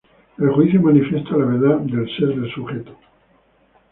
El juicio manifiesta la verdad del ser del sujeto.